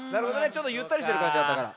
ちょっとゆったりしてるかんじだったから。